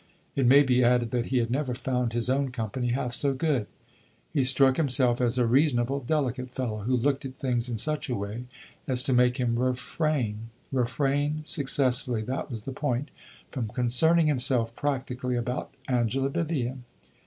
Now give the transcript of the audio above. It may be added that he had never found his own company half so good. He struck himself as a reasonable, delicate fellow, who looked at things in such a way as to make him refrain refrain successfully, that was the point from concerning himself practically about Angela Vivian.